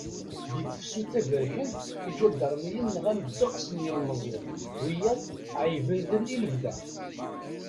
Di tefsut taberkant, iǧadaṛmiyen nɣan ddeqs n yilmeẓyen, wiyaḍ ɛeggben-ten ilebda.